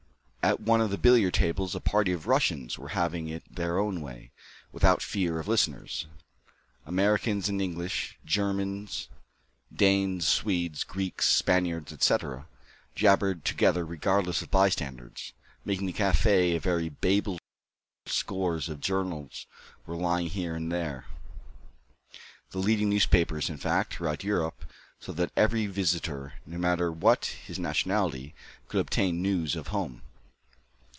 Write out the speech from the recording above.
At one of the billiard tables, a party of Russians were having it their own way, without fear of listeners; Americans and English, Germans, Danes, Swedes, Greeks, Spaniards, etc., jabbered together regardless of bystanders, making the café a very Babel. Scores of journals were lying here and there the leading newspapers, in fact, throughout Europe so that every visitor, no matter what his nationality, could obtain news of home.